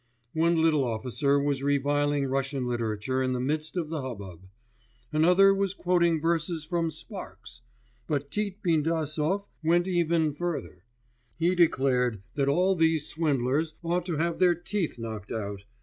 One little officer was reviling Russian literature in the midst of the hubbub; another was quoting verses from Sparks; but Tit Bindasov went even further; he declared that all these swindlers ought to have their teeth knocked out